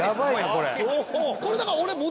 これだから俺。